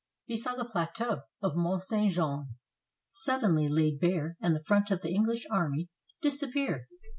He saw the plateau of Mont St. Jean sud denly laid bare and the front of the English army disap pear.